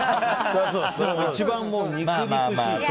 一番、肉々しい。